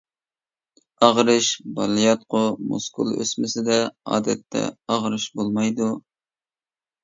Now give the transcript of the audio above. ئاغرىش: بالىياتقۇ مۇسكۇل ئۆسمىسىدە ئادەتتە ئاغرىش بولمايدۇ.